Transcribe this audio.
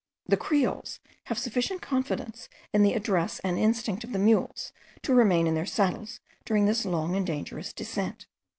The Creoles have sufficient confidence in the address and instinct of the mules, to remain in their saddles during this long and dangerous descent.